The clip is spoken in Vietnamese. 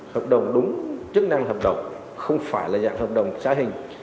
hợp đồng đúng chức năng hợp đồng không phải là dạng hợp đồng xã hình